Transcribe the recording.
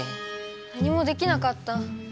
何もできなかった。